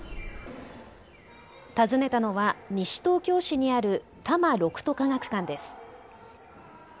訪ねたのは西東京市にある多摩六都科学館です。